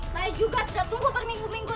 saya juga sudah tunggu berminggu minggu